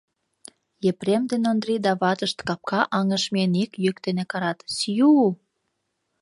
Епрем ден Ондри да ватышт капка аҥыш миен ик йӱк дене карат: — Сью!